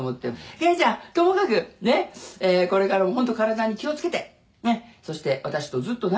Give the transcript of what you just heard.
「惠ちゃんともかくねっこれからも本当体に気を付けてそして私とずっと仲良く。